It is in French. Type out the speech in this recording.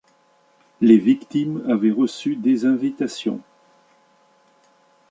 Les victimes avaient reçu des invitations.